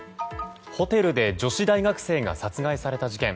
ホテルで女子大学生が殺害された事件。